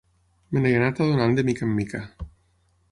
Me n'he anat adonant de mica en mica.